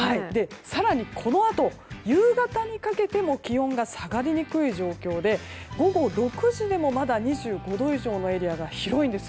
更にこのあと夕方にかけても気温が下がりにくい状況で午後６時でもまだ２５度以上のエリアが広いんです。